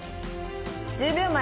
１０秒前。